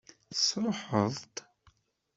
Tesṛuḥeḍ-t?